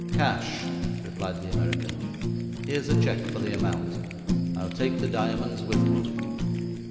'Cash,' replied the American; 'here's a cheque for the amount. I'll take the diamonds with me.'